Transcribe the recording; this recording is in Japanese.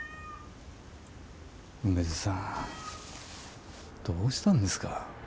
梅津さんどうしたんですか。